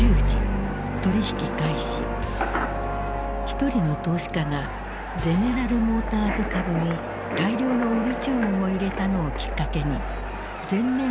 一人の投資家がゼネラル・モーターズ株に大量の売り注文を入れたのをきっかけに全面売りの展開となる。